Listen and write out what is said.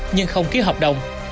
nhưng không ký hợp đồng